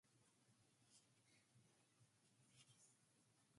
Another commonly advected quantity is energy or enthalpy.